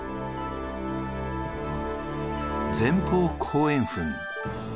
前方後円墳。